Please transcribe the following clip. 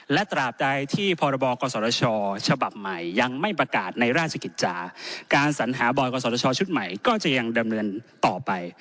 การสัญหาบอร์ดกสรชาชุดใหม่ก็จะยังดำเนินต่อไป